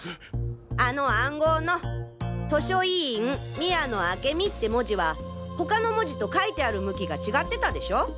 あの暗号の「図書委員宮野明美」って文字は他の文字と書いてある向きが違ってたでしょ？